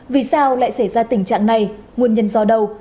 vì sao lại xảy ra tình trạng này nguồn nhân do đâu